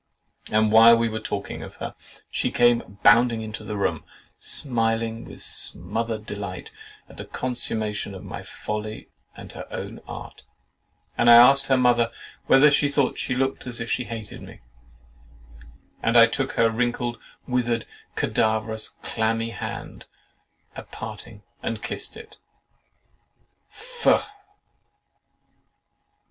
and while we were talking of her, she came bounding into the room, smiling with smothered delight at the consummation of my folly and her own art; and I asked her mother whether she thought she looked as if she hated me, and I took her wrinkled, withered, cadaverous, clammy hand at parting, and kissed it. Faugh!